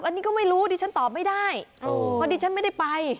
อันนี้ก็ไม่รู้ดิฉันตอบไม่ได้เพราะดิฉันไม่ได้ไป